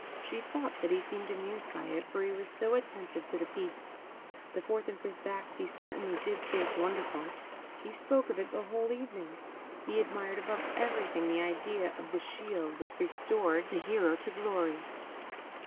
She thought that he seemed amused by it, for he was so attentive to the piece. The fourth and fifth acts he certainly did think wonderful; he spoke of it the whole of the evening; he admired above everything the idea of the shield which restored the hero to glory.